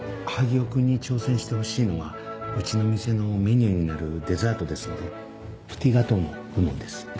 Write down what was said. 萩尾君に挑戦してほしいのはうちの店のメニューになるデザートですのでプティガトーの部門です。